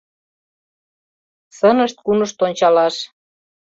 Сынышт-кунышт ончалаш